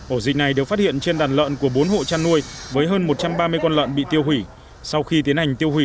ổ dịch này được phát hiện trên đàn lợn của bốn hộ chăn nuôi với hơn một trăm ba mươi con lợn bị tiêu hủy sau khi tiến hành tiêu hủy